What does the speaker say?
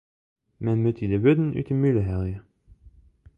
Men moat dy de wurden út 'e mûle helje.